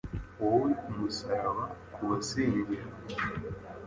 Wowe uri kumusaraba kubasengera